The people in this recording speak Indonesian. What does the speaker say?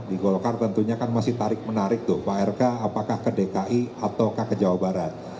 di golkar tentunya kan masih tarik menarik tuh pak rk apakah ke dki atau ke jawa barat